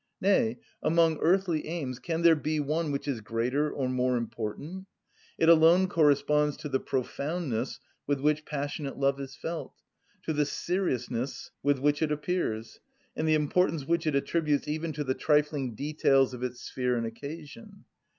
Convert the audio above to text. Nay, among earthly aims, can there be one which is greater or more important? It alone corresponds to the profoundness with which passionate love is felt, to the seriousness with which it appears, and the importance which it attributes even to the trifling details of its sphere and occasion.